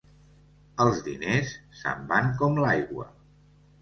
Els diners se'n van com l'aigua.